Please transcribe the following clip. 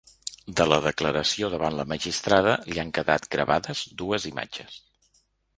De la declaració davant la magistrada, li han quedat gravades dues imatges.